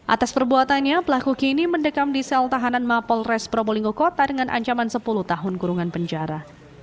atas perbuatannya pelaku kini mendekam di sel tahanan mapol res probolinggo kota dengan ancaman sepuluh tahun kurungan penjara